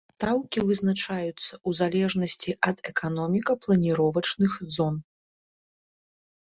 Стаўкі вызначаюцца ў залежнасці ад эканоміка-планіровачных зон.